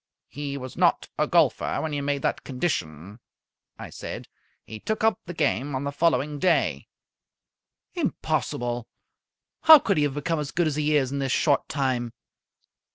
"He was not a golfer when you made that condition," I said. "He took up the game on the following day." "Impossible! How could he have become as good as he is in this short time?"